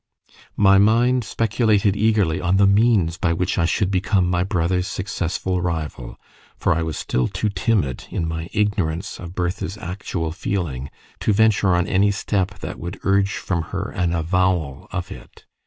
My mind speculated eagerly on the means by which I should become my brother's successful rival, for I was still too timid, in my ignorance of Bertha's actual feeling, to venture on any step that would urge from her an avowal of it.